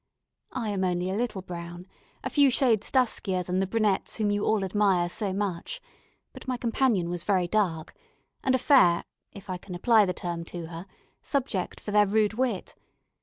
I am only a little brown a few shades duskier than the brunettes whom you all admire so much; but my companion was very dark, and a fair (if I can apply the term to her) subject for their rude wit.